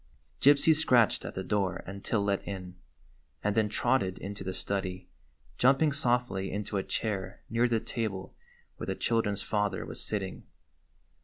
Gypsy scratched at the door until let in, and then trotted into the study, jumping softly into a chair near the table where the children's father was sitting.